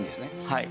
はい。